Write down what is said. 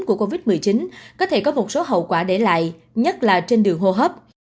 của covid một mươi chín có thể có một số hậu quả để lại nhất là trên đường hô hấp